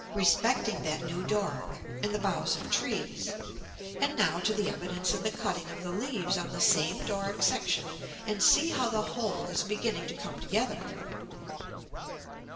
respecting that new Doric, and the boughs of trees; and now to the evidence in the cutting of the leaves on the same Doric section, and see how the whole is beginning to come together.